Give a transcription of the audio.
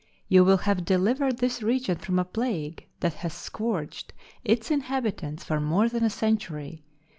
You will have delivered this region from a plague that has scourged its inhabitants for more than a century.